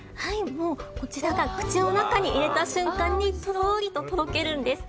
こちらが口の中に入れた瞬間にとろーりととろけるんです。